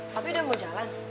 papi udah mau jalan